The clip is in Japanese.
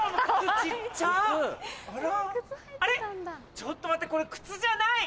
ちょっと待ってこれ靴じゃない！